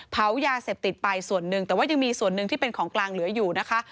เผายาเสพติดไปส่วนหนึ่งแต่ว่ายังมีส่วนหนึ่งที่เป็นของกลางเหลืออยู่นะคะ